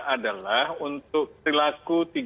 adalah untuk perilaku